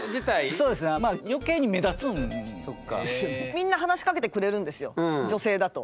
みんな話しかけてくれるんですよ女性だと。